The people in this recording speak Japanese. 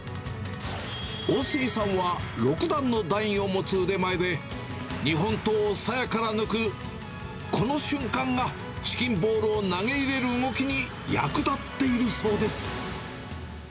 大杉さんは６段の段位を持つ腕前で、日本刀を鞘から抜くこの瞬間が、チキンボールを投げ入れる動きに役立っているそうです。